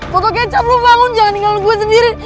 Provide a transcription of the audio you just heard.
ketuk kicap lu bangun jangan tinggal gua sendiri